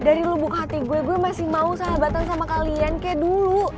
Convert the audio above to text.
al dari lo buka hati gue gue masih mau sahabatan sama kalian kayak dulu